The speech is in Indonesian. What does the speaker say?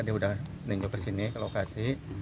kita menunjuk ke sini ke lokasi